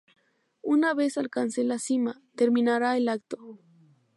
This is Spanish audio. Una vez alcance la cima, terminará el acto.